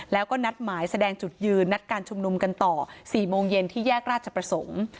แล้วก็นัดหมายแสดงจุดยืนนัดการชุมนุมกันต่อ๔โมงเย็นที่แยกราชประสงค์